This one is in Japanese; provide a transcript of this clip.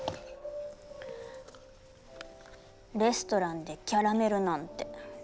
レストランでキャラメルなんて。